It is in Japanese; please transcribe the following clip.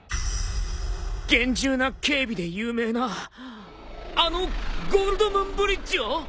厳重な警備で有名なあのゴールド・ムーン・ブリッジを？